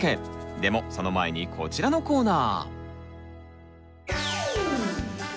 でもその前にこちらのコーナー！